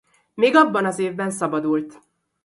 Még abban az évben szabadult.